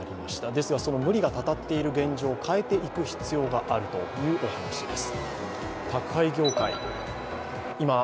ですが、その無理がたたっている現状を変えていく必要があるというお話です。